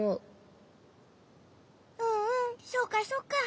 うんうんそうかそうか。